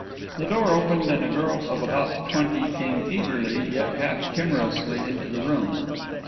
The door opened and a girl of about twenty came eagerly yet half timorously into the room.